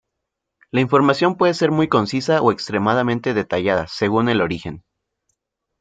La información puede ser muy concisa o extremadamente detallada, según el origen.